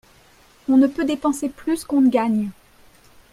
On ne peut dépenser plus qu’on ne gagne.